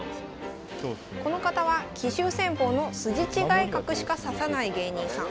この方は奇襲戦法の筋違い角しか指さない芸人さん。